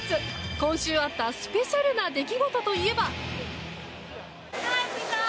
今週あったスペシャルな出来事といえば。